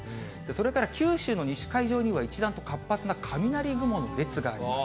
それから九州の西海上には一段と活発な雷雲の列があります。